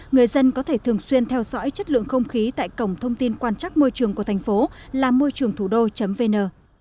người dân có thể thường xuyên theo dõi chất lượng không khí tại cổng thông tin quan trắc môi trường của thành phố là môi trườngthủđô vn